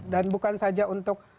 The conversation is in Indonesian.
dan bukan saja untuk